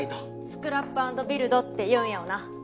スクラップアンドビルドっていうんやおな。